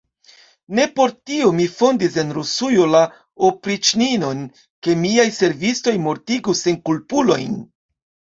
Ne por tio mi fondis en Rusujo la opriĉninon, ke miaj servistoj mortigu senkulpulojn.